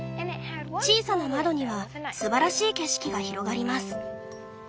小さな窓にはすばらしい景色が広がります。